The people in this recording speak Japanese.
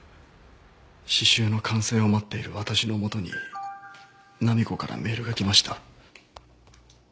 刺繍の完成を待っている私の元に浪子からメールが来ました。